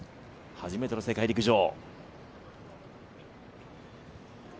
初めての世界陸上。